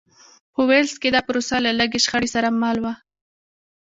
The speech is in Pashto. په ویلز کې دا پروسه له لږې شخړې سره مل وه.